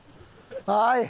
はい。